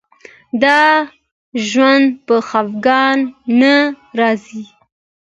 دا ژوند په خفګان نه ارزي.